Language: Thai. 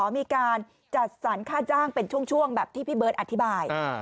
มีการจัดสรรค่าจ้างเป็นช่วงแบบที่พี่เบิร์ตอธิบาย